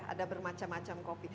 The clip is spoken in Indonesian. ada bermacam macam kopi